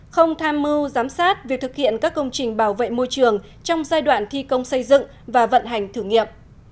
không tham mưu giám sát việc thực hiện các công trình bảo vệ môi trường trong giai đoạn thi công xây dựng và vận hành thử nghiệm